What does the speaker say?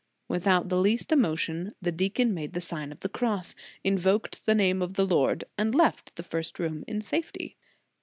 Without the least emotion, the deacon made the Sign of the Cross, invoked the name of the Lord, and left the first room in safety.